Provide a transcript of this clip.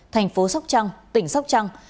thành phố sóc trăng tỉnh sóc trăng